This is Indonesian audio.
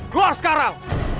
bring me iterus